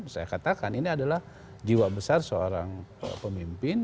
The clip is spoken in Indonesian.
saya katakan ini adalah jiwa besar seorang pemimpin